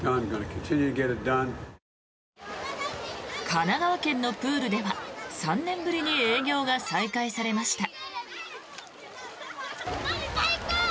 神奈川県のプールでは３年ぶりに営業が再開されました。